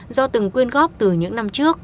do từng quyên góp từ những năm trước